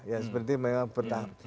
ya seperti memang bertahan